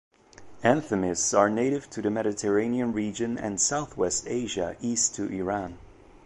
"Anthemis" are native to the Mediterranean region and southwest Asia east to Iran.